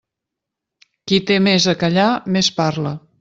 Qui té més a callar més parla.